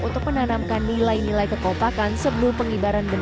untuk menanamkan nilai nilai kekompakan sebelum pengibaran